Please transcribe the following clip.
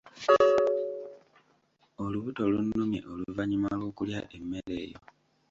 Olubuto lunnumye oluvannyuma lw'okulya emmere eyo.